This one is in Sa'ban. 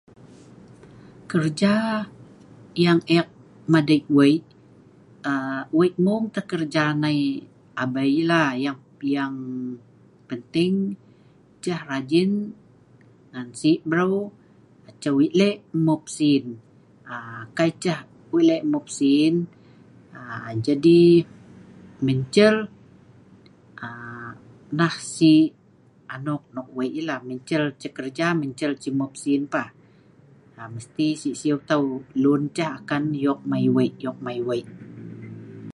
kerja yang ek madik weik aa weik mung tah kerja nai abei lah yang yang penting ceh rajin ngan sik breu ceh weik lek mup sin aa kai ceh weik lek mup sin aa jadi mencel aa nah sik anok nok weik yeh lak mencel ceh kerja mencel ceh mup sin pah aa mesti sik siu tau lun ceh akan yok mei weik yok mei weik